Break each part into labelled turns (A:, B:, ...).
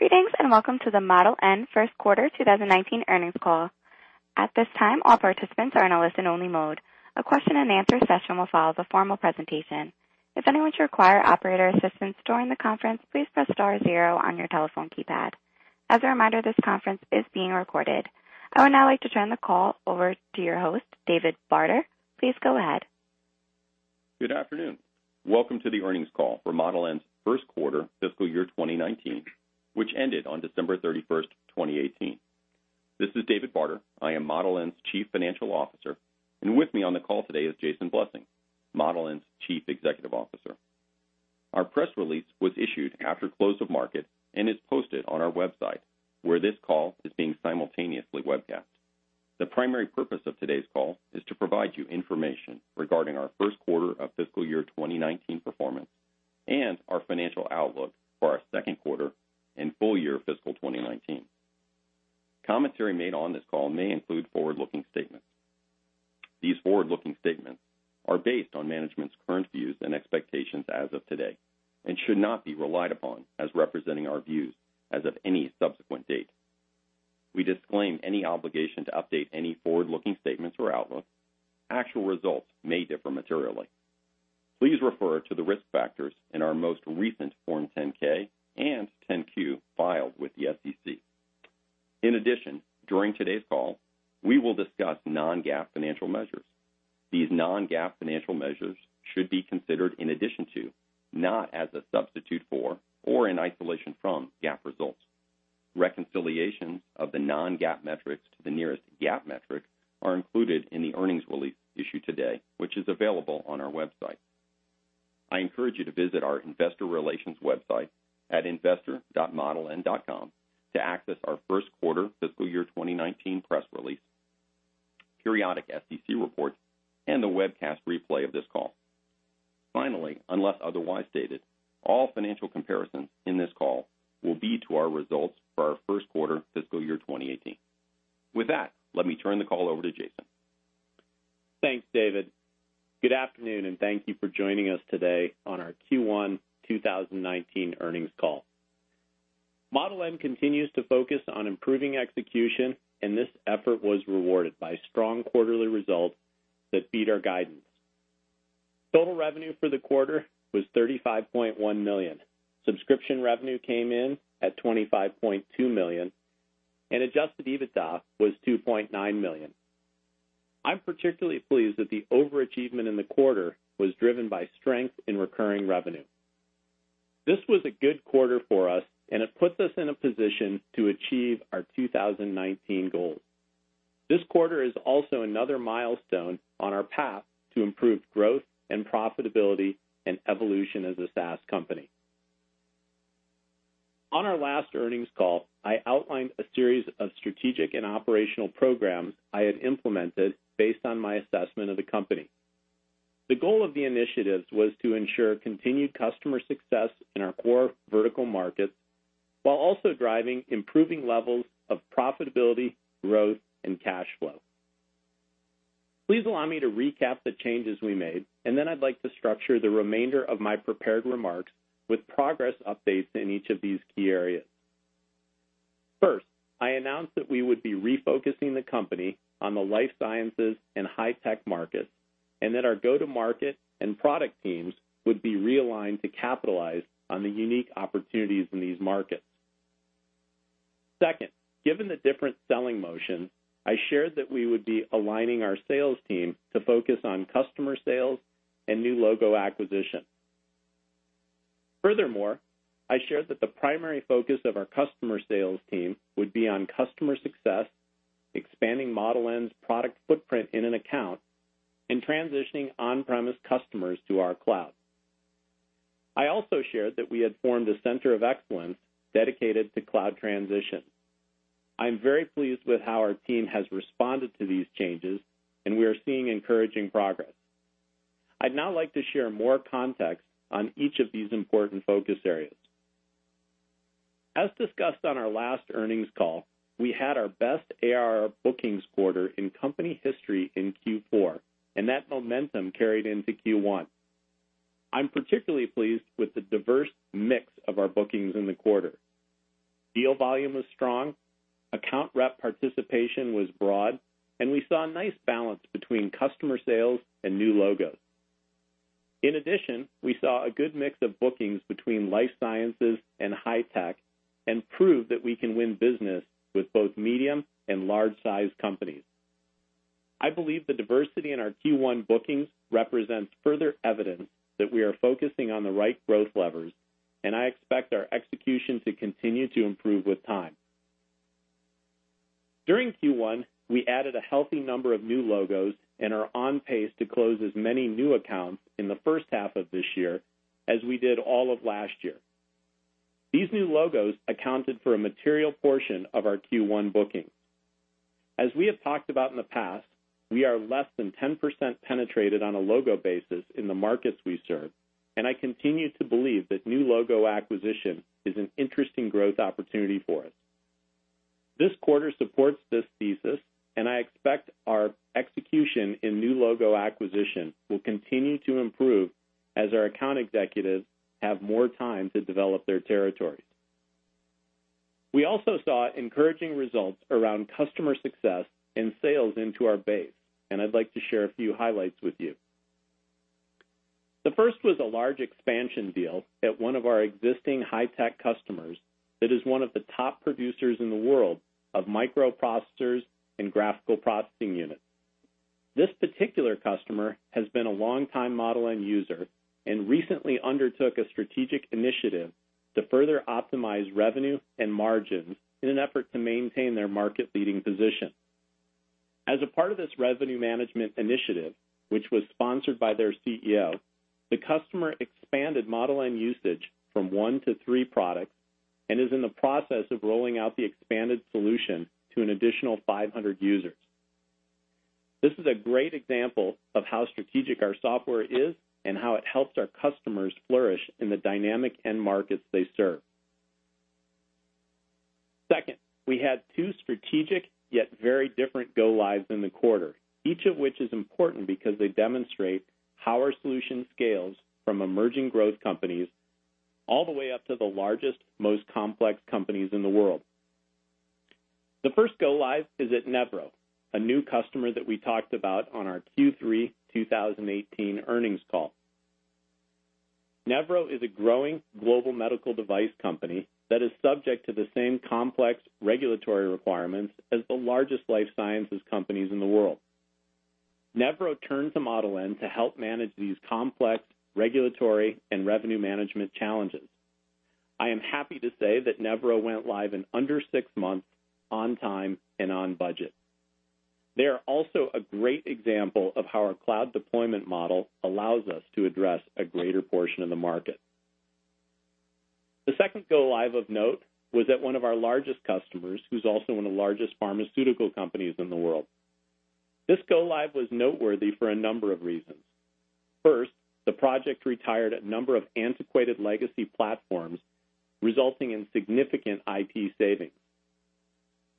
A: Greetings. Welcome to the Model N First Quarter 2019 Earnings Call. At this time, all participants are in a listen-only mode. A question and answer session will follow the formal presentation. If anyone should require operator assistance during the conference, please press star zero on your telephone keypad. As a reminder, this conference is being recorded. I would now like to turn the call over to your host, David Barter. Please go ahead.
B: Good afternoon. Welcome to the earnings call for Model N's first quarter fiscal year 2019, which ended on December 31st, 2018. This is David Barter. I am Model N's Chief Financial Officer, and with me on the call today is Jason Blessing, Model N's Chief Executive Officer. Our press release was issued after close of market and is posted on our website, where this call is being simultaneously webcast. The primary purpose of today's call is to provide you information regarding our first quarter of fiscal year 2019 performance and our financial outlook for our second quarter and full year fiscal 2019. Commentary made on this call may include forward-looking statements. These forward-looking statements are based on management's current views and expectations as of today, and should not be relied upon as representing our views as of any subsequent date. We disclaim any obligation to update any forward-looking statements or outlook. Actual results may differ materially. Please refer to the risk factors in our most recent Form 10-K and 10-Q filed with the SEC. In addition, during today's call, we will discuss non-GAAP financial measures. These non-GAAP financial measures should be considered in addition to, not as a substitute for, or in isolation from, GAAP results. Reconciliations of the non-GAAP metrics to the nearest GAAP metric are included in the earnings release issued today, which is available on our website. I encourage you to visit our investor relations website at investor.modeln.com to access our first quarter fiscal year 2019 press release, periodic SEC reports, and the webcast replay of this call. Finally, unless otherwise stated, all financial comparisons in this call will be to our results for our first quarter fiscal year 2018. With that, let me turn the call over to Jason Blessing.
C: Thanks, David Barter. Good afternoon. Thank you for joining us today on our Q1 2019 earnings call. Model N continues to focus on improving execution. This effort was rewarded by strong quarterly results that beat our guidance. Total revenue for the quarter was $35.1 million. Subscription revenue came in at $25.2 million. Adjusted EBITDA was $2.9 million. I'm particularly pleased that the overachievement in the quarter was driven by strength in recurring revenue. This was a good quarter for us and it puts us in a position to achieve our 2019 goals. This quarter is also another milestone on our path to improved growth and profitability, and evolution as a SaaS company. On our last earnings call, I outlined a series of strategic and operational programs I had implemented based on my assessment of the company. The goal of the initiatives was to ensure continued customer success in our core vertical markets while also driving improving levels of profitability, growth, and cash flow. Please allow me to recap the changes we made and then I'd like to structure the remainder of my prepared remarks with progress updates in each of these key areas. First, I announced that we would be refocusing the company on the life sciences and high-tech markets and that our go-to-market and product teams would be realigned to capitalize on the unique opportunities in these markets. Second, given the different selling motion, I shared that we would be aligning our sales team to focus on customer sales and new logo acquisition. Furthermore, I shared that the primary focus of our customer sales team would be on customer success, expanding Model N's product footprint in an account, and transitioning on-premise customers to our cloud. I also shared that we had formed a center of excellence dedicated to cloud transition. I'm very pleased with how our team has responded to these changes and we are seeing encouraging progress. I'd now like to share more context on each of these important focus areas. As discussed on our last earnings call, we had our best ARR bookings quarter in company history in Q4 and that momentum carried into Q1. I'm particularly pleased with the diverse mix of our bookings in the quarter. Deal volume was strong, account rep participation was broad, and we saw a nice balance between customer sales and new logos. In addition, we saw a good mix of bookings between life sciences and high tech, and proved that we can win business with both medium and large-size companies. I believe the diversity in our Q1 bookings represents further evidence that we are focusing on the right growth levers. I expect our execution to continue to improve with time. During Q1, we added a healthy number of new logos and are on pace to close as many new accounts in the first half of this year as we did all of last year. These new logos accounted for a material portion of our Q1 bookings. As we have talked about in the past, we are less than 10% penetrated on a logo basis in the markets we serve. I continue to believe that new logo acquisition is an interesting growth opportunity for us. This quarter supports this thesis. I expect our execution in new logo acquisition will continue to improve as our account executives have more time to develop their territories. We also saw encouraging results around customer success and sales into our base, and I'd like to share a few highlights with you. The first was a large expansion deal at one of our existing high-tech customers that is one of the top producers in the world of microprocessors and graphical processing units. This particular customer has been a long-time Model N user and recently undertook a strategic initiative to further optimize revenue and margins in an effort to maintain their market-leading position. As a part of this revenue management initiative, which was sponsored by their CEO, the customer expanded Model N usage from one to three products and is in the process of rolling out the expanded solution to an additional 500 users. This is a great example of how strategic our software is and how it helps our customers flourish in the dynamic end markets they serve. Second, we had two strategic, yet very different go-lives in the quarter, each of which is important because they demonstrate how our solution scales from emerging growth companies all the way up to the largest, most complex companies in the world. The first go-live is at Nevro, a new customer that we talked about on our Q3 2018 earnings call. Nevro is a growing global medical device company that is subject to the same complex regulatory requirements as the largest life sciences companies in the world. Nevro turns to Model N to help manage these complex regulatory and revenue management challenges. I am happy to say that Nevro went live in under six months, on time, and on budget. They are also a great example of how our cloud deployment model allows us to address a greater portion of the market. The second go-live of note was at one of our largest customers, who's also one of the largest pharmaceutical companies in the world. This go-live was noteworthy for a number of reasons. First, the project retired a number of antiquated legacy platforms, resulting in significant IT savings.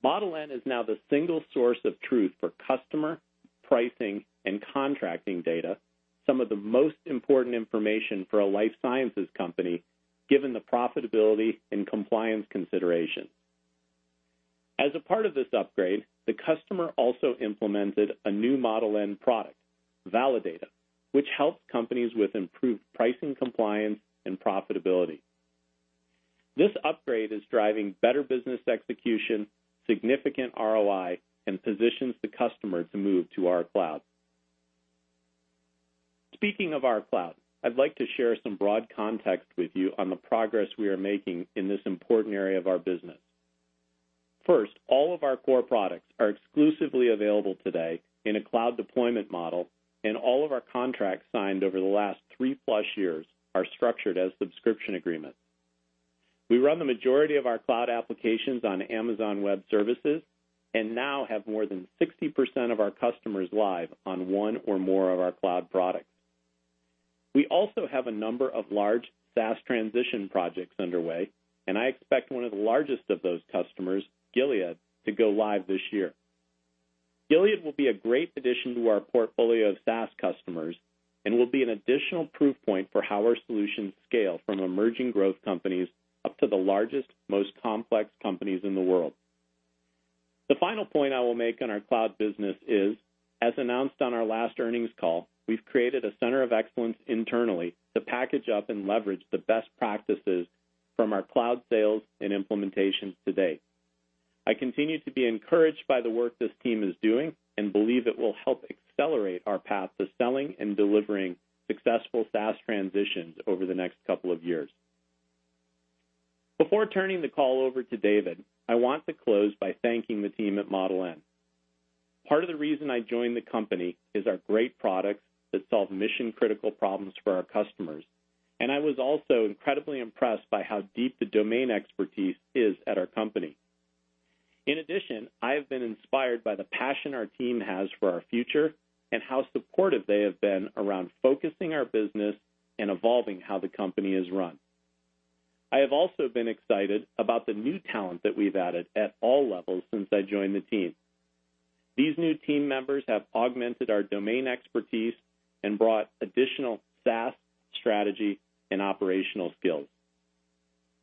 C: Model N is now the single source of truth for customer, pricing, and contracting data, some of the most important information for a life sciences company, given the profitability and compliance consideration. As a part of this upgrade, the customer also implemented a new Model N product, Validata, which helps companies with improved pricing compliance and profitability. This upgrade is driving better business execution, significant ROI, and positions the customer to move to our cloud. Speaking of our cloud, I'd like to share some broad context with you on the progress we are making in this important area of our business. First, all of our core products are exclusively available today in a cloud deployment model, and all of our contracts signed over the last three-plus years are structured as subscription agreements. We run the majority of our cloud applications on Amazon Web Services, and now have more than 60% of our customers live on one or more of our cloud products. We also have a number of large SaaS transition projects underway, and I expect one of the largest of those customers, Gilead, to go live this year. Gilead will be a great addition to our portfolio of SaaS customers and will be an additional proof point for how our solutions scale from emerging growth companies up to the largest, most complex companies in the world. The final point I will make on our cloud business is, as announced on our last earnings call, we've created a center of excellence internally to package up and leverage the best practices from our cloud sales and implementations to date. I continue to be encouraged by the work this team is doing and believe it will help accelerate our path to selling and delivering successful SaaS transitions over the next couple of years. Before turning the call over to David Barter, I want to close by thanking the team at Model N. Part of the reason I joined the company is our great products that solve mission-critical problems for our customers, and I was also incredibly impressed by how deep the domain expertise is at our company. In addition, I have been inspired by the passion our team has for our future and how supportive they have been around focusing our business and evolving how the company is run. I have also been excited about the new talent that we've added at all levels since I joined the team. These new team members have augmented our domain expertise and brought additional SaaS strategy and operational skills.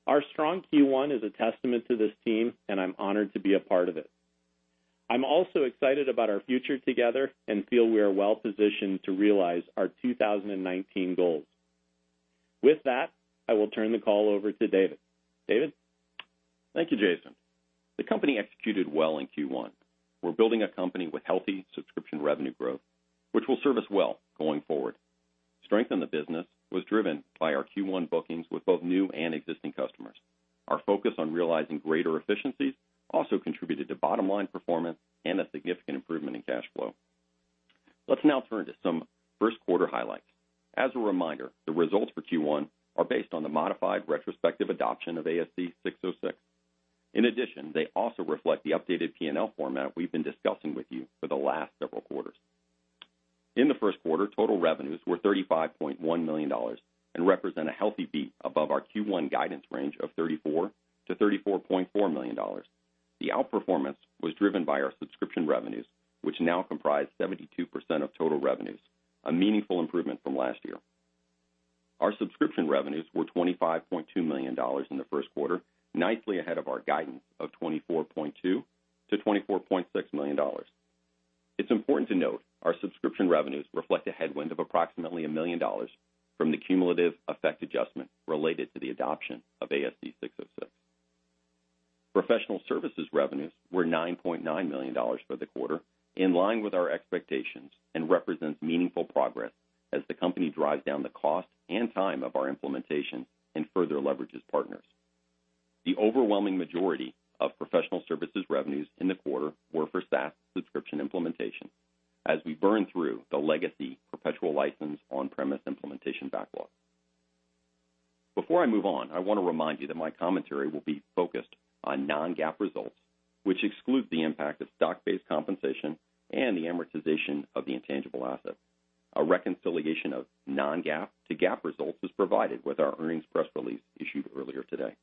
C: Our strong Q1 is a testament to this team, and I'm honored to be a part of it. I'm also excited about our future together and feel we are well-positioned to realize our 2019 goals. With that I will turn the call over to David Barter. David Barter?
B: Thank you, Jason Blessing. The company executed well in Q1. We're building a company with healthy subscription revenue growth, which will serve us well going forward. Strength in the business was driven by our Q1 bookings with both new and existing customers. Our focus on realizing greater efficiencies also contributed to bottom-line performance and a significant improvement in cash flow. Let's now turn to some first quarter highlights. As a reminder, the results for Q1 are based on the modified retrospective adoption of ASC 606. In addition, they also reflect the updated P&L format we've been discussing with you for the last several quarters. In the first quarter, total revenues were $35.1 million and represent a healthy beat above our Q1 guidance range of $34 million-$34.4 million. The outperformance was driven by our subscription revenues, which now comprise 72% of total revenues, a meaningful improvement from last year. Our subscription revenues were $25.2 million in the first quarter, nicely ahead of our guidance of $24.2 million-$24.6 million. It's important to note our subscription revenues reflect a headwind of approximately $1 million from the cumulative effect adjustment related to the adoption of ASC 606. Professional services revenues were $9.9 million for the quarter, in line with our expectations and represents meaningful progress as the company drives down the cost and time of our implementation and further leverages partners. The overwhelming majority of professional services revenues in the quarter were for SaaS subscription implementation, as we burn through the legacy perpetual license on-premise implementation backlog. Before I move on, I want to remind you that my commentary will be focused on non-GAAP results, which exclude the impact of stock-based compensation and the amortization of the intangible asset. A reconciliation of non-GAAP to GAAP results was provided with our earnings press release issued earlier today.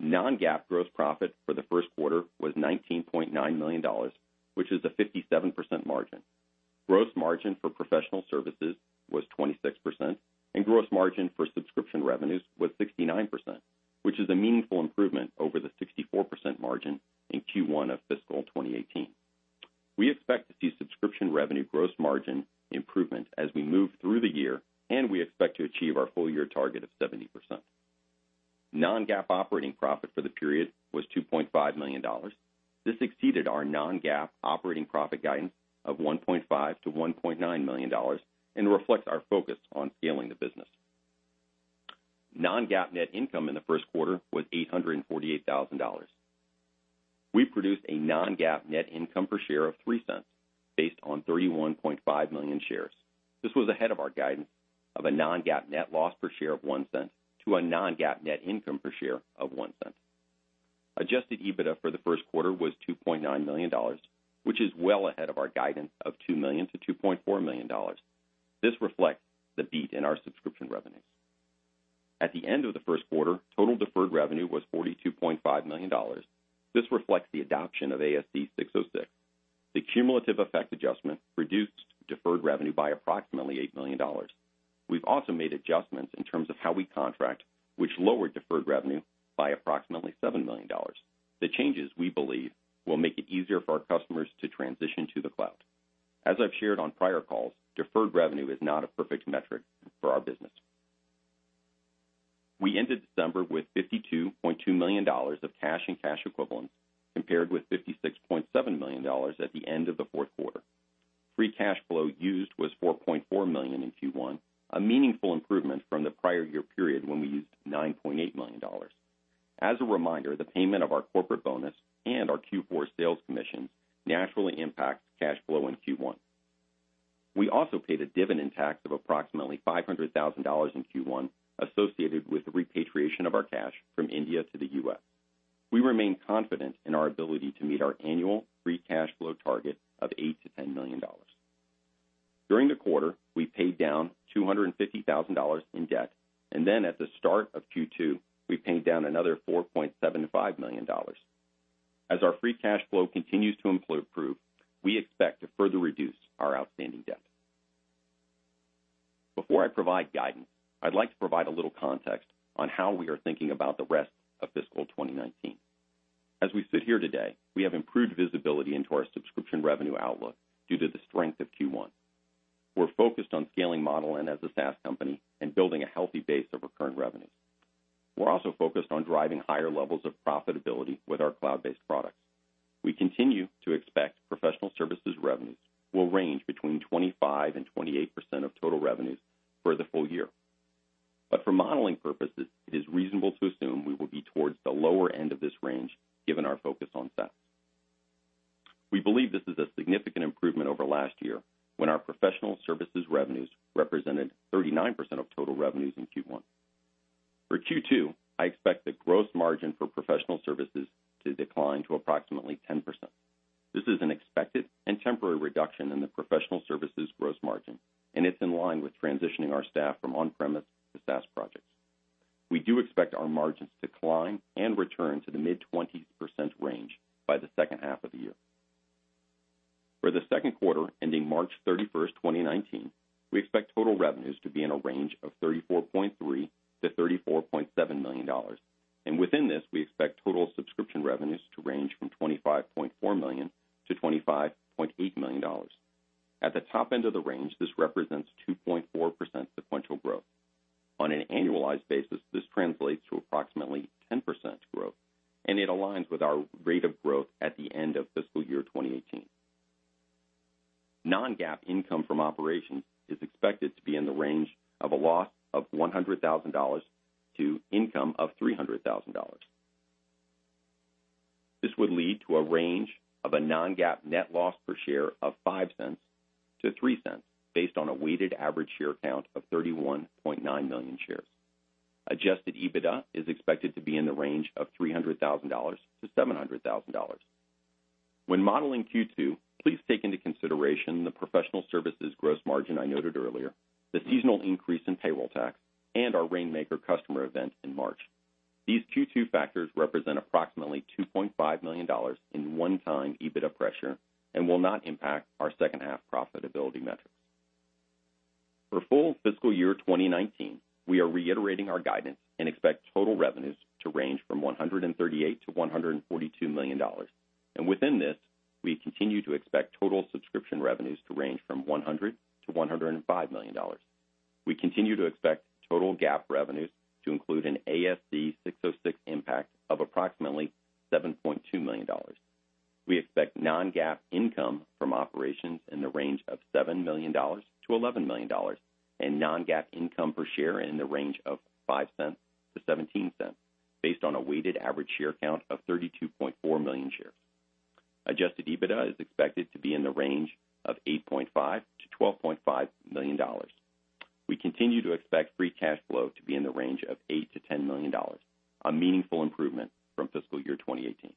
B: Non-GAAP gross profit for the first quarter was $19.9 million, which is a 57% margin. Gross margin for professional services was 26%, and gross margin for subscription revenues was 69%, which is a meaningful improvement over the 64% margin in Q1 of fiscal 2018. We expect to see subscription revenue gross margin improvement as we move through the year, and we expect to achieve our full-year target of 70%. Non-GAAP operating profit for the period was $2.5 million. This exceeded our non-GAAP operating profit guidance of $1.5 million-$1.9 million and reflects our focus on scaling the business. Non-GAAP net income in the first quarter was $848,000. We produced a non-GAAP net income per share of $0.03 based on 31.5 million shares. This was ahead of our guidance of a non-GAAP net loss per share of $0.01 to a non-GAAP net income per share of $0.01. Adjusted EBITDA for the first quarter was $2.9 million, which is well ahead of our guidance of $2 million-$2.4 million. This reflects the beat in our subscription revenues. At the end of the first quarter, total deferred revenue was $42.5 million. This reflects the adoption of ASC 606. The cumulative effect adjustment reduced deferred revenue by approximately $8 million. We've also made adjustments in terms of how we contract, which lowered deferred revenue by approximately $7 million. The changes, we believe, will make it easier for our customers to transition to the cloud. As I've shared on prior calls, deferred revenue is not a perfect metric for our business. We ended December with $52.2 million of cash and cash equivalents, compared with $56.7 million at the end of the fourth quarter. Free cash flow used was $4.4 million in Q1, a meaningful improvement from the prior year period when we used $9.8 million. As a reminder, the payment of our corporate bonus and our Q4 sales commissions naturally impact cash flow in Q1. We also paid a dividend tax of approximately $500,000 in Q1 associated with the repatriation of our cash from India to the U.S. We remain confident in our ability to meet our annual free cash flow target of $8 million-$10 million. During the quarter, we paid down $250,000 in debt. At the start of Q2, we paid down another $4.75 million. As our free cash flow continues to improve, we expect to further reduce our outstanding debt. Before I provide guidance, I'd like to provide a little context on how we are thinking about the rest of fiscal 2019. As we sit here today, we have improved visibility into our subscription revenue outlook due to the strength of Q1. We're focused on scaling Model N as a SaaS company and building a healthy base of recurring revenues. We're also focused on driving higher levels of profitability with our cloud-based products. We continue to expect professional services revenues will range between 25% and 28% of total revenues for the full year. For modeling purposes, it is reasonable to assume we will be towards the lower end of this range given our focus on SaaS. We believe this is a significant improvement over last year, when our professional services revenues represented 39% of total revenues in Q1. For Q2, I expect the gross margin for professional services to decline to approximately 10%. This is an expected and temporary reduction in the professional services gross margin, and it's in line with transitioning our staff from on-premise to SaaS projects. We do expect our margins to climb and return to the mid-20% range by the second half of the year. For the second quarter ending March 31st, 2019, we expect total revenues to be in a range of $34.3 million-$34.7 million. Within this, we expect total subscription revenues to range from $25.4 million-$25.8 million. At the top end of the range, this represents 2.4% sequential growth. On an annualized basis, this translates to approximately 10% growth, and it aligns with our rate of growth at the end of fiscal year 2018. Non-GAAP income from operations is expected to be in the range of a loss of $100,000 to income of $300,000. This would lead to a range of a non-GAAP net loss per share of $0.05-$0.03 based on a weighted average share count of 31.9 million shares. Adjusted EBITDA is expected to be in the range of $300,000-$700,000. When modeling Q2, please take into consideration the professional services gross margin I noted earlier, the seasonal increase in payroll tax, and our Rainmaker customer event in March. These Q2 factors represent approximately $2.5 million in one-time EBITDA pressure and will not impact our second half profitability metrics. For full fiscal year 2019, we are reiterating our guidance and expect total revenues to range from $138 million-$142 million. Within this, we continue to expect total subscription revenues to range from $100 million-$105 million. We continue to expect total GAAP revenues to include an ASC 606 impact of approximately $7.2 million. We expect non-GAAP income from operations in the range of $7 million-$11 million, and non-GAAP income per share in the range of $0.05-$0.17 based on a weighted average share count of 32.4 million shares. Adjusted EBITDA is expected to be in the range of $8.5 million-$12.5 million. We continue to expect free cash flow to be in the range of $8 million-$10 million, a meaningful improvement from fiscal year 2018.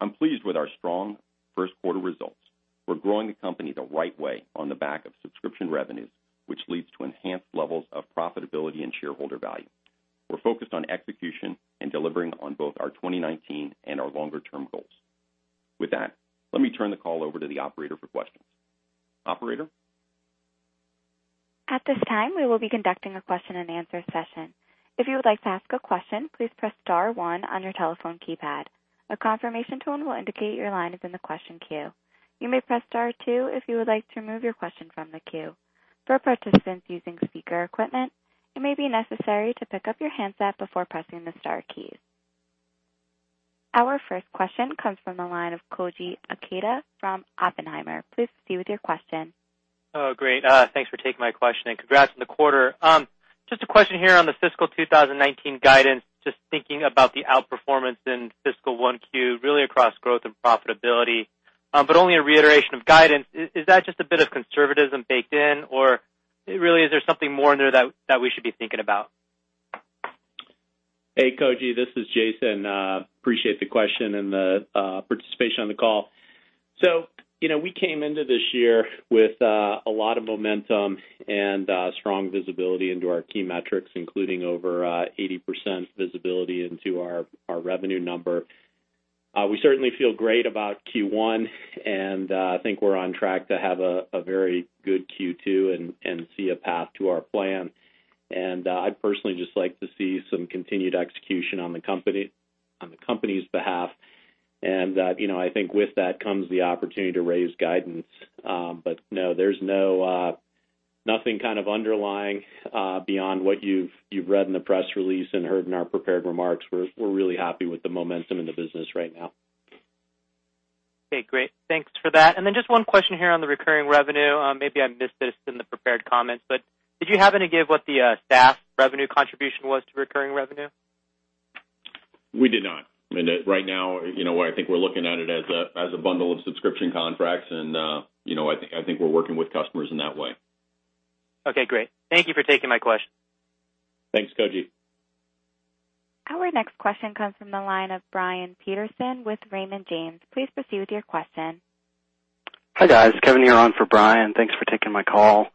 B: I'm pleased with our strong first quarter results. We're growing the company the right way on the back of subscription revenues, which leads to enhanced levels of profitability and shareholder value. We're focused on execution and delivering on both our 2019 and our longer-term goals. With that, let me turn the call over to the operator for questions. Operator?
A: At this time, we will be conducting a question and answer session. If you would like to ask a question, please press star one on your telephone keypad. A confirmation tone will indicate your line is in the question queue. You may press star two if you would like to remove your question from the queue. For participants using speaker equipment, it may be necessary to pick up your handset before pressing the star keys. Our first question comes from the line of Koji Ikeda from Oppenheimer. Please proceed with your question.
D: Oh, great. Thanks for taking my question and congrats on the quarter. Just a question here on the fiscal 2019 guidance. Just thinking about the outperformance in fiscal 1Q, really across growth and profitability. Only a reiteration of guidance. Is that just a bit of conservatism baked in? Really, is there something more in there that we should be thinking about?
C: Hey, Koji Ikeda, this is Jason Blessing. Appreciate the question and the participation on the call. We came into this year with a lot of momentum and strong visibility into our key metrics, including over 80% visibility into our revenue number. We certainly feel great about Q1, and I think we're on track to have a very good Q2 and see a path to our plan. I'd personally just like to see some continued execution on the company's behalf. I think with that comes the opportunity to raise guidance. No, there's nothing kind of underlying beyond what you've read in the press release and heard in our prepared remarks. We're really happy with the momentum in the business right now.
D: Okay, great. Thanks for that. Just one question here on the recurring revenue. Maybe I missed this in the prepared comments, but did you happen to give what the SaaS revenue contribution was to recurring revenue?
B: We did not. Right now, I think we're looking at it as a bundle of subscription contracts, and I think we're working with customers in that way.
D: Okay, great. Thank you for taking my question.
C: Thanks, Koji Ikeda.
A: Our next question comes from the line of Brian Peterson with Raymond James. Please proceed with your question.
E: Hi, guys. Kevin here on for Brian Peterson. Thanks for taking my call.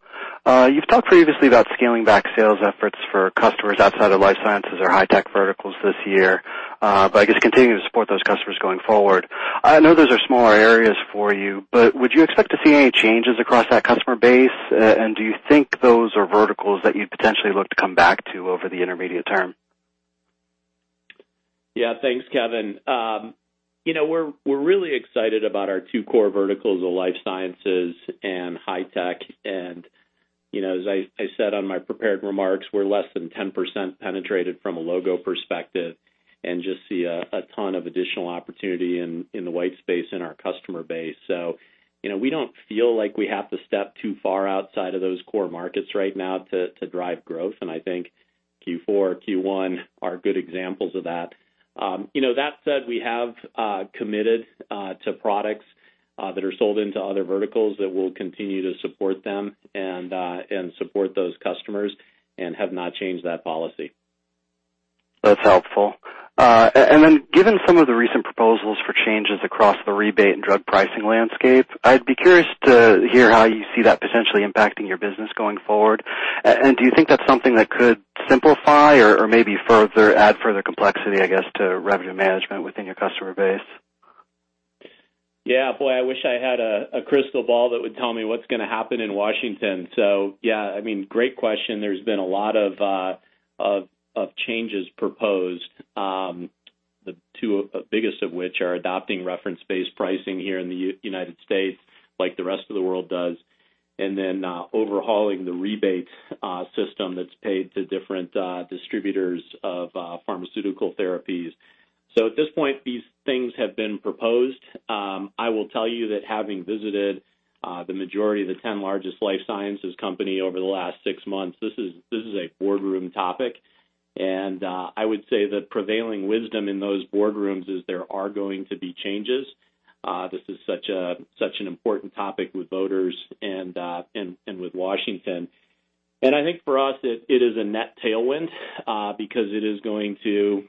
E: You've talked previously about scaling back sales efforts for customers outside of life sciences or high tech verticals this year. I guess continuing to support those customers going forward. I know those are smaller areas for you, but would you expect to see any changes across that customer base? Do you think those are verticals that you'd potentially look to come back to over the intermediate term?
C: Yeah. Thanks, Kevin. We're really excited about our two core verticals of life sciences and high tech. As I said on my prepared remarks, we're less than 10% penetrated from a logo perspective and just see a ton of additional opportunity in the white space in our customer base. We don't feel like we have to step too far outside of those core markets right now to drive growth, and I think Q4, Q1 are good examples of that. That said, we have committed to products that are sold into other verticals that we'll continue to support them and support those customers and have not changed that policy.
E: That's helpful. Given some of the recent proposals for changes across the rebate and drug pricing landscape, I'd be curious to hear how you see that potentially impacting your business going forward. Do you think that's something that could simplify or maybe add further complexity, I guess, to revenue management within your customer base?
C: Yeah. Boy, I wish I had a crystal ball that would tell me what's going to happen in Washington. Yeah, great question. There's been a lot of changes proposed. The two biggest of which are adopting reference-based pricing here in the United States like the rest of the world does, and then overhauling the rebate system that's paid to different distributors of pharmaceutical therapies. At this point, these things have been proposed. I will tell you that having visited the majority of the 10 largest life sciences company over the last six months, this is a boardroom topic. I would say the prevailing wisdom in those boardrooms is there are going to be changes. This is such an important topic with voters and with Washington. I think for us, it is a net tailwind, because it is going to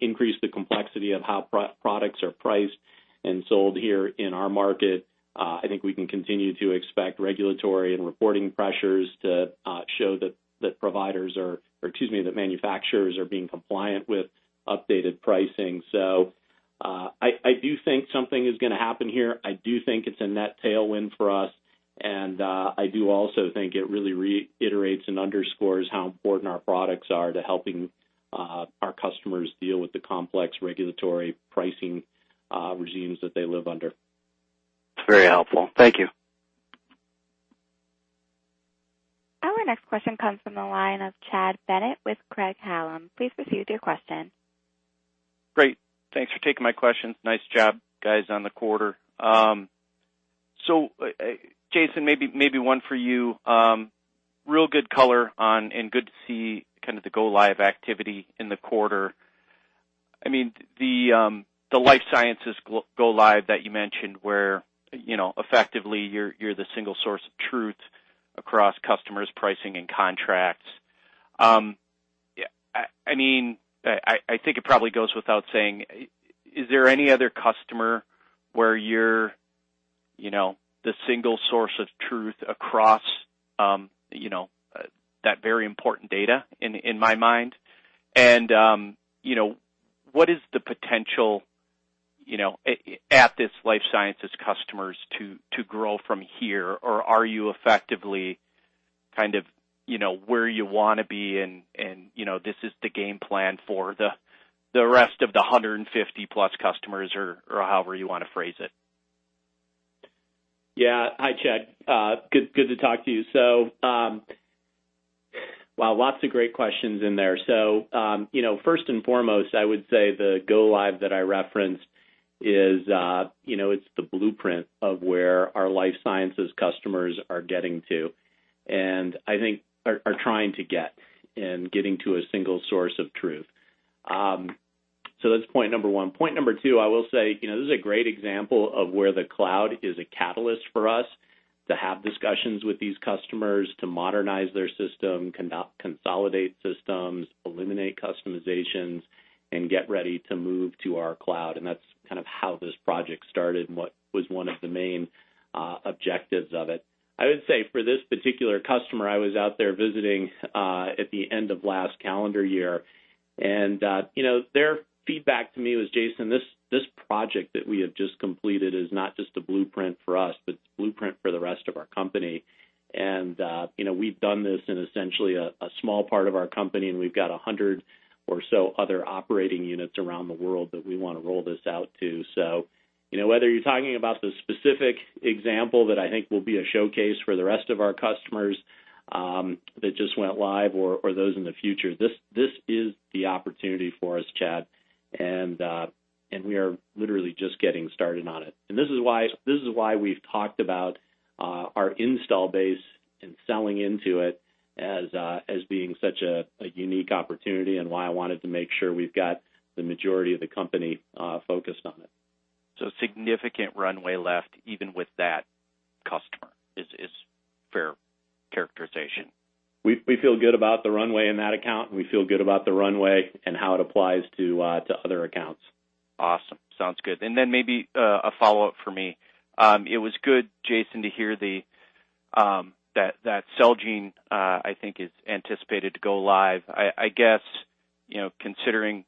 C: increase the complexity of how products are priced and sold here in our market. I think we can continue to expect regulatory and reporting pressures to show that manufacturers are being compliant with updated pricing. I do think something is going to happen here. I do think it's a net tailwind for us, and I do also think it really reiterates and underscores how important our products are to helping our customers deal with the complex regulatory pricing regimes that they live under.
E: Very helpful. Thank you.
A: Our next question comes from the line of Chad Bennett with Craig-Hallum. Please proceed with your question.
F: Great. Thanks for taking my questions. Nice job, guys, on the quarter. Jason Blessing, maybe one for you. Real good color on and good to see kind of the go-live activity in the quarter. The life sciences go live that you mentioned, where effectively you're the single source of truth across customers' pricing and contracts. I think it probably goes without saying, is there any other customer where you're the single source of truth across that very important data in my mind? What is the potential at this life sciences customers to grow from here? Or are you effectively where you want to be and this is the game plan for the rest of the 150-plus customers, or however you want to phrase it?
C: Yeah. Hi, Chad Bennett. Good to talk to you. Wow, lots of great questions in there. First and foremost, I would say the go-live that I referenced is the blueprint of where our life sciences customers are getting to, and I think are trying to get, and getting to a single source of truth. That's point number one. Point number two, I will say, this is a great example of where the cloud is a catalyst for us to have discussions with these customers to modernize their system, consolidate systems, eliminate customizations, and get ready to move to our cloud. That's kind of how this project started and what was one of the main objectives of it. I would say for this particular customer, I was out there visiting at the end of last calendar year, and their feedback to me was, "Jason Blessing, this project that we have just completed is not just a blueprint for us, but it's a blueprint for the rest of our company. We've done this in essentially a small part of our company, and we've got 100 or so other operating units around the world that we want to roll this out to." Whether you're talking about the specific example that I think will be a showcase for the rest of our customers that just went live, or those in the future, this is the opportunity for us, Chad Bennett. We are literally just getting started on it. This is why we've talked about our install base and selling into it as being such a unique opportunity and why I wanted to make sure we've got the majority of the company focused on it.
F: Significant runway left, even with that customer, is fair characterization?
C: We feel good about the runway in that account, and we feel good about the runway and how it applies to other accounts.
F: Awesome. Sounds good. Then maybe a follow-up for me. It was good, Jason Blessing, to hear that Celgene, I think is anticipated to go live. I guess, considering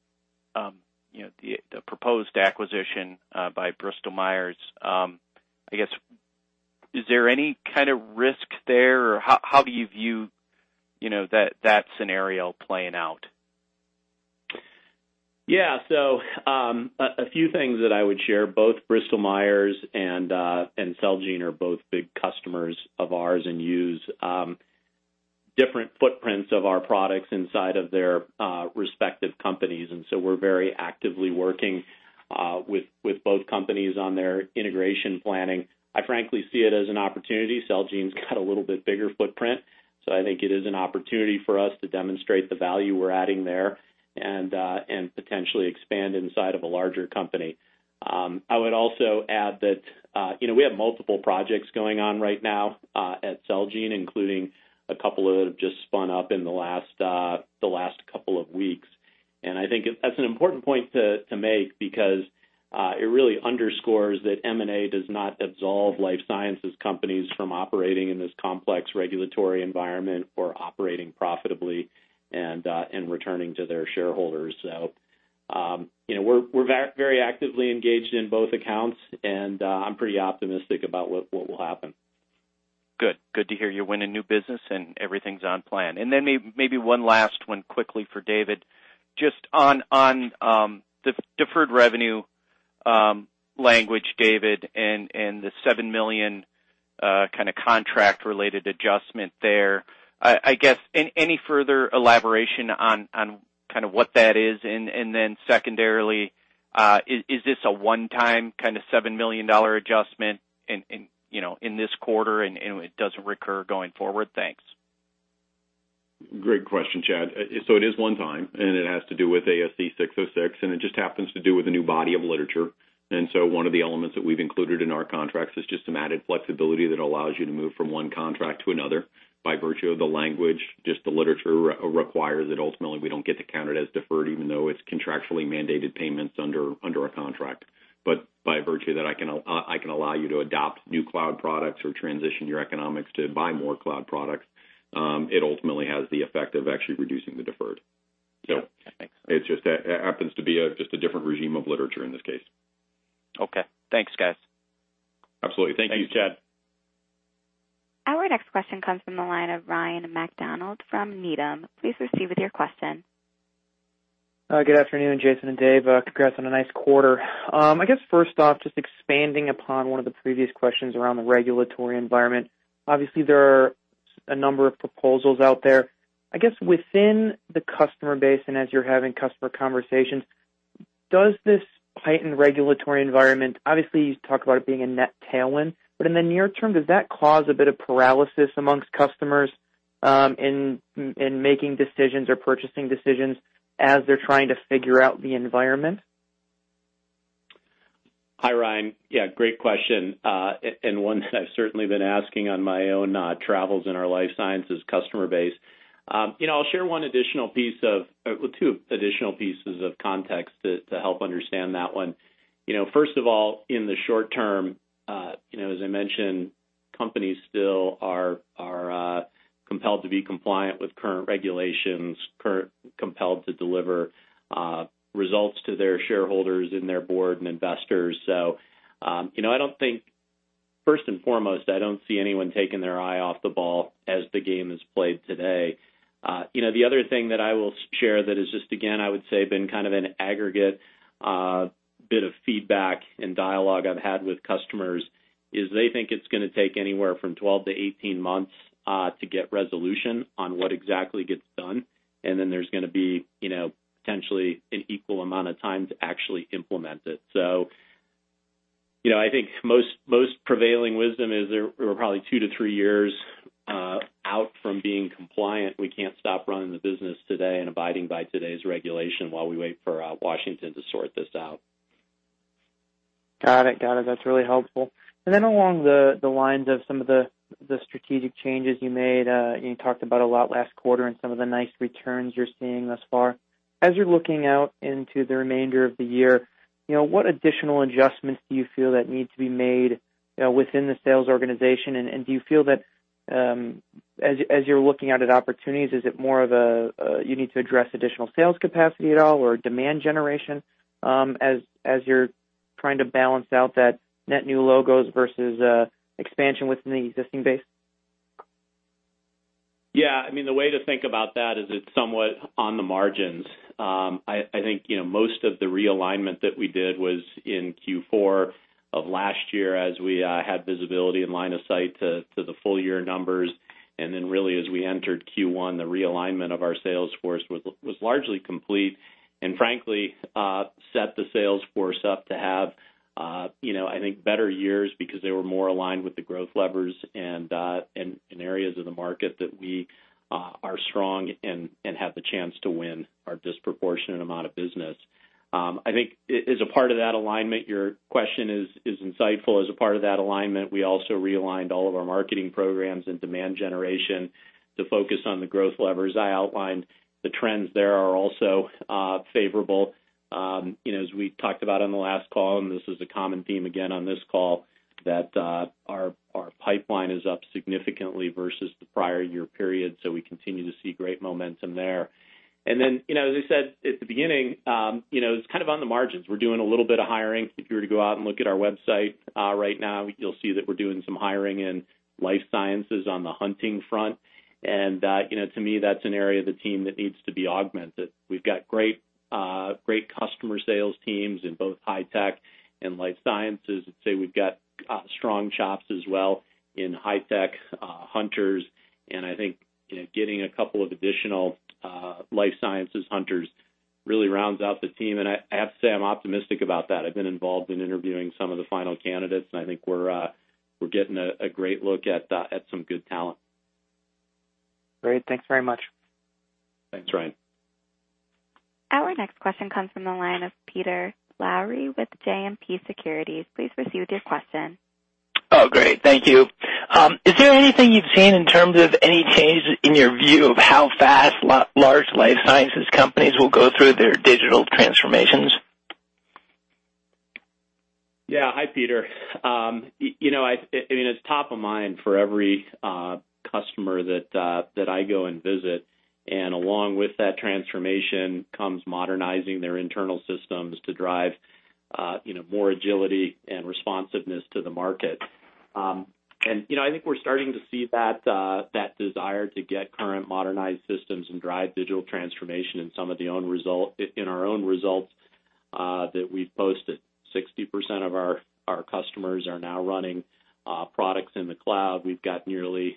F: the proposed acquisition by Bristol Myers, is there any kind of risk there? Or how do you view that scenario playing out?
C: Yeah. A few things that I would share. Both Bristol Myers and Celgene are both big customers of ours and use different footprints of our products inside of their respective companies. We're very actively working with both companies on their integration planning. I frankly see it as an opportunity. Celgene's got a little bit bigger footprint, so I think it is an opportunity for us to demonstrate the value we're adding there and potentially expand inside of a larger company. I would also add that we have multiple projects going on right now at Celgene, including a couple that have just spun up in the last couple of weeks. I think that's an important point to make because it really underscores that M&A does not absolve life sciences companies from operating in this complex regulatory environment, or operating profitably and returning to their shareholders. We're very actively engaged in both accounts, and I'm pretty optimistic about what will happen.
F: Good. Good to hear you're winning new business and everything's on plan. Then maybe one last one quickly for David Barter, just on the deferred revenue language, David Barter, and the $7 million kind of contract-related adjustment there. I guess, any further elaboration on kind of what that is? Then secondarily, is this a one-time kind of $7 million adjustment in this quarter, and it doesn't recur going forward? Thanks.
B: Great question, Chad Bennett. It is one time, and it has to do with ASC 606, and it just happens to do with a new body of literature. One of the elements that we've included in our contracts is just some added flexibility that allows you to move from one contract to another by virtue of the language. Just the literature requires that ultimately we don't get to count it as deferred, even though it's contractually mandated payments under a contract. By virtue that I can allow you to adopt new cloud products or transition your economics to buy more cloud products, it ultimately has the effect of actually reducing the deferred.
F: Okay, thanks.
B: It just happens to be just a different regime of literature in this case.
F: Okay. Thanks, guys.
B: Absolutely. Thank you, Chad Bennett.
A: Our next question comes from the line of Ryan MacDonald from Needham. Please proceed with your question.
G: Good afternoon, Jason Blessing and David Barter. Congrats on a nice quarter. I guess first off, just expanding upon one of the previous questions around the regulatory environment. Obviously, there are a number of proposals out there. I guess within the customer base and as you're having customer conversations, does this heightened regulatory environment, obviously, you talked about it being a net tailwind, but in the near term, does that cause a bit of paralysis amongst customers in making decisions or purchasing decisions as they're trying to figure out the environment?
C: Hi, Ryan MacDonald. Yeah, great question. One that I've certainly been asking on my own travels in our life sciences customer base. I'll share two additional pieces of context to help understand that one. First of all, in the short term, as I mentioned, companies still are compelled to be compliant with current regulations, compelled to deliver results to their shareholders and their board and investors. First and foremost, I don't see anyone taking their eye off the ball as the game is played today. The other thing that I will share that is just, again, I would say, been kind of an aggregate bit of feedback and dialogue I've had with customers is they think it's going to take anywhere from 12-18 months to get resolution on what exactly gets done. Then there's going to be potentially an equal amount of time to actually implement it. I think most prevailing wisdom is we're probably two to three years out from being compliant. We can't stop running the business today and abiding by today's regulation while we wait for Washington to sort this out.
G: Got it. That's really helpful. Then along the lines of some of the strategic changes you made, you talked about a lot last quarter and some of the nice returns you're seeing thus far. As you're looking out into the remainder of the year, what additional adjustments do you feel that need to be made within the sales organization? Do you feel that, as you're looking out at opportunities, is it more of a you need to address additional sales capacity at all, or demand generation, as you're trying to balance out that net new logos versus expansion within the existing base?
C: Yeah. I mean the way to think about that is it's somewhat on the margins. I think most of the realignment that we did was in Q4 of last year as we had visibility and line of sight to the full year numbers. Really as we entered Q1, the realignment of our sales force was largely complete and frankly, set the sales force up to have I think better years because they were more aligned with the growth levers and in areas of the market that we are strong and have the chance to win our disproportionate amount of business. As a part of that alignment, your question is insightful. As a part of that alignment, we also realigned all of our marketing programs and demand generation to focus on the growth levers. I outlined the trends there are also favorable. As we talked about on the last call, and this is a common theme again on this call, that our pipeline is up significantly versus the prior year period. We continue to see great momentum there. As I said at the beginning, it's kind of on the margins. We're doing a little bit of hiring. If you were to go out and look at our website right now, you'll see that we're doing some hiring in life sciences on the hunting front. To me, that's an area of the team that needs to be augmented. We've got great customer sales teams in both high tech and life sciences. I'd say we've got strong chops as well in high tech hunters, and I think getting a couple of additional life sciences hunters really rounds out the team and I have to say, I'm optimistic about that. I've been involved in interviewing some of the final candidates, and I think we're getting a great look at some good talent.
G: Great. Thanks very much.
C: Thanks, Ryan MacDonald.
A: Our next question comes from the line of Peter Lowry with JMP Securities. Please proceed with your question.
H: Oh, great. Thank you. Is there anything you've seen in terms of any change in your view of how fast large life sciences companies will go through their digital transformations?
C: Yeah. Hi, Peter Lowry. It's top of mind for every customer that I go and visit. Along with that transformation comes modernizing their internal systems to drive more agility and responsiveness to the market. I think we're starting to see that desire to get current modernized systems and drive digital transformation in our own results that we've posted. 60% of our customers are now running products in the cloud. We've got nearly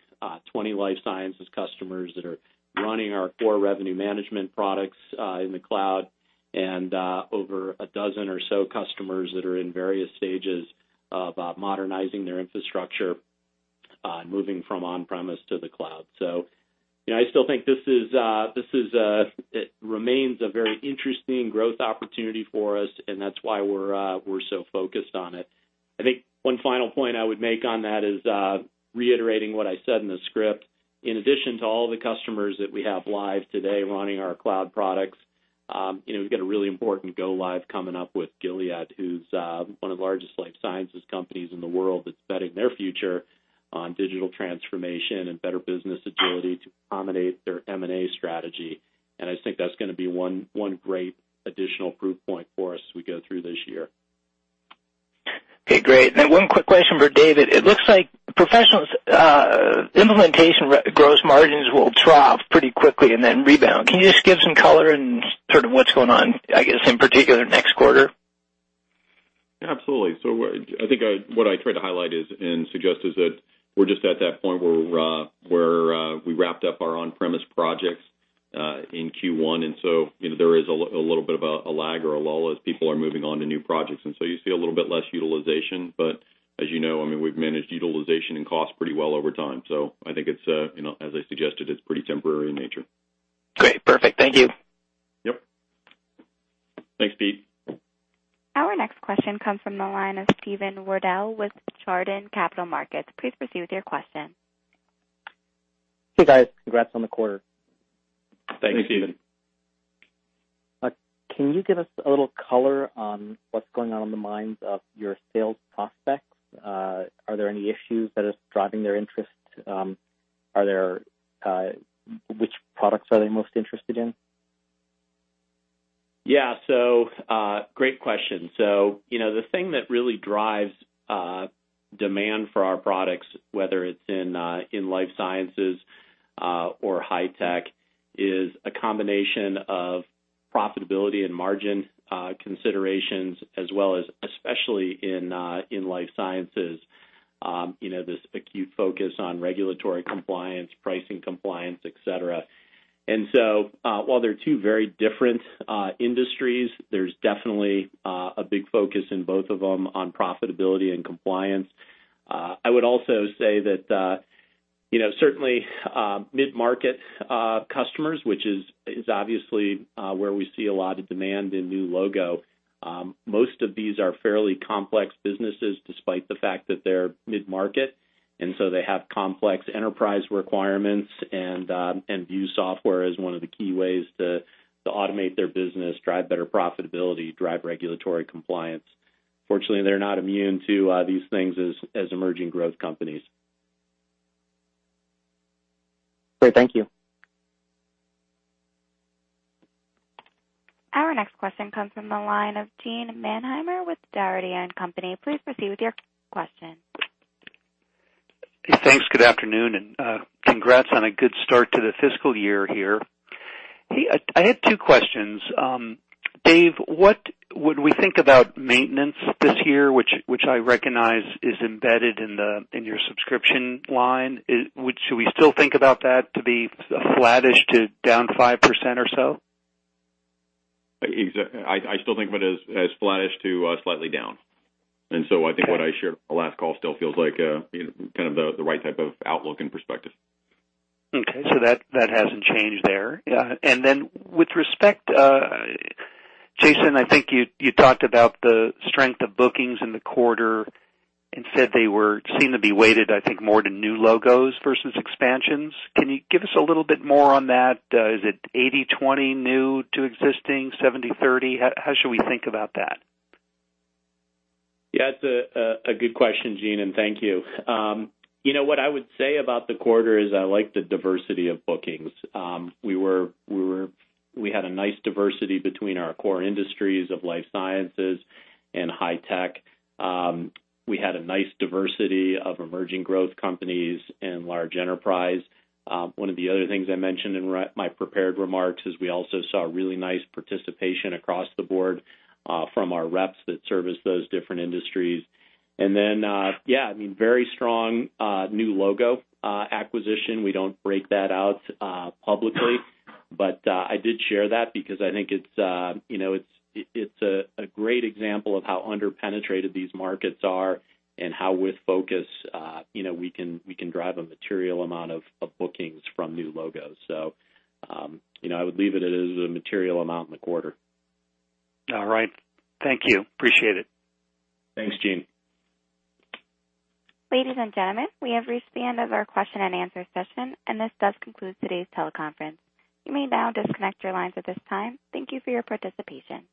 C: 20 life sciences customers that are running our core revenue management products in the cloud. And over a dozen or so customers that are in various stages of modernizing their infrastructure, moving from on-premise to the cloud. I still think it remains a very interesting growth opportunity for us, and that's why we're so focused on it. I think one final point I would make on that is reiterating what I said in the script. In addition to all the customers that we have live today running our cloud products, we've got a really important go live coming up with Gilead, who's one of the largest life sciences companies in the world, that's betting their future on digital transformation and better business agility to accommodate their M&A strategy. I think that's going to be one great additional proof point for us as we go through this year.
H: Okay, great. One quick question for David Barter. It looks like professional implementation gross margins will trough pretty quickly and then rebound. Can you just give some color and sort of what's going on, I guess, in particular next quarter?
B: Yeah, absolutely. I think what I tried to highlight is and suggest is that we're just at that point where we wrapped up our on-premise projects in Q1, there is a little bit of a lag or a lull as people are moving on to new projects. You see a little bit less utilization. As you know, we've managed utilization and cost pretty well over time. I think as I suggested, it's pretty temporary in nature.
H: Great. Perfect. Thank you.
B: Yep. Thanks, Peter Lowry.
A: Our next question comes from the line of Steven Wardell with Chardan Capital Markets. Please proceed with your question.
I: Hey, guys. Congrats on the quarter.
B: Thanks, Steven Wardell.
C: Thanks.
I: Can you give us a little color on what's going on in the minds of your sales prospects? Are there any issues that is driving their interest? Which products are they most interested in?
C: Yeah. Great question. The thing that really drives demand for our products, whether it's in life sciences or high tech, is a combination of profitability and margin considerations as well as, especially in life sciences, this acute focus on regulatory compliance, pricing compliance, et cetera. While they're two very different industries, there's definitely a big focus in both of them on profitability and compliance. I would also say that certainly mid-market customers, which is obviously where we see a lot of demand in new logo, most of these are fairly complex businesses despite the fact that they're mid-market. They have complex enterprise requirements and view software as one of the key ways to automate their business, drive better profitability, drive regulatory compliance. Fortunately, they're not immune to these things as emerging growth companies.
I: Great. Thank you.
A: Our next question comes from the line of Gene Mannheimer with Dougherty & Company. Please proceed with your question.
J: Thanks. Good afternoon, and congrats on a good start to the fiscal year here. Hey, I had two questions. David Barter, what would we think about maintenance this year, which I recognize is embedded in your subscription line? Should we still think about that to be flattish to down 5% or so?
B: I still think of it as flattish to slightly down. I think what I shared on the last call still feels like kind of the right type of outlook and perspective.
J: Okay, that hasn't changed there.
B: Yeah.
J: With respect, Jason Blessing, I think you talked about the strength of bookings in the quarter and said they were seen to be weighted, I think, more to new logos versus expansions. Can you give us a little bit more on that? Is it 80/20 new to existing, 70/30? How should we think about that?
C: Yeah, it's a good question, Gene Mannheimer, and thank you. What I would say about the quarter is I like the diversity of bookings. We had a nice diversity between our core industries of life sciences and high tech. We had a nice diversity of emerging growth companies and large enterprise. One of the other things I mentioned in my prepared remarks is we also saw really nice participation across the board from our reps that service those different industries. Yeah, very strong new logo acquisition. We don't break that out publicly, but I did share that because I think it's a great example of how under-penetrated these markets are and how with focus, we can drive a material amount of bookings from new logo. I would leave it as a material amount in the quarter.
J: All right. Thank you. Appreciate it.
B: Thanks, Gene Mannheimer.
A: Ladies and gentlemen, we have reached the end of our question and answer session, and this does conclude today's teleconference. You may now disconnect your lines at this time. Thank you for your participation.